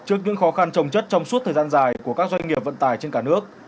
trước những khó khăn trồng chất trong suốt thời gian dài của các doanh nghiệp vận tải trên cả nước